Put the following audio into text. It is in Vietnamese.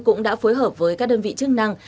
cũng đã phối hợp với các đơn vị chức năng